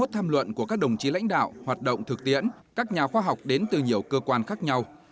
tham luận của các đồng chí lãnh đạo hoạt động thực tiễn các nhà khoa học đến từ nhiều cơ quan khác nhau